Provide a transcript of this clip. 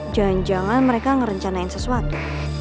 jangan jangan mereka ngerencanain sesuatu